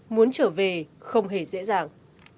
muốn trở về không hề dễ dàng